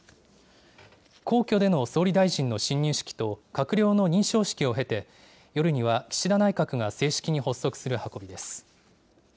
皇居での総理大臣の親任式と閣僚の認証式を経て、夜には岸田内閣が正式に発足する運びです。